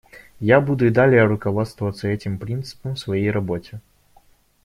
Я буду и далее руководствоваться этим принципом в своей работе.